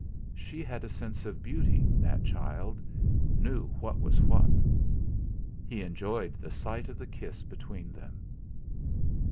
She had a sense of beauty, that child knew what was what! He enjoyed the sight of the kiss between them.